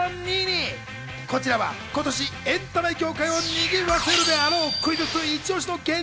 こちらは今年エンタメ業界をにぎわせるでだろう